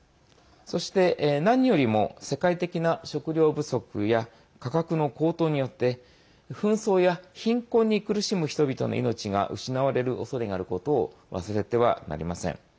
そして、何よりも世界的な食糧不足や価格の高騰によって紛争や貧困に苦しむ人々の命が失われるおそれがあることを忘れてはなりません。